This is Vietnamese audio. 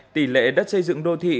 tỷ lệ đất xây dựng đô thị